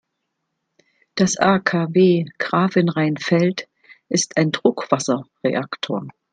Das AKW Grafenrheinfeld ist ein Druckwasserreaktor.